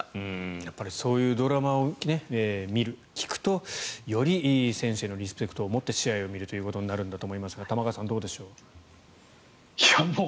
やっぱりそういうドラマを見る、聞くとより選手へのリスペクトを持って試合を見るということになるんだと思いますが玉川さん、どうでしょう。